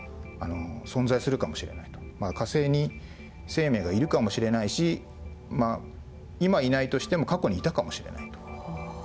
火星に生命がいるかもしれないし今いないとしても過去にいたかもしれないと。